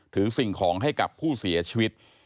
สิ่งของให้กับผู้เสียชีวิต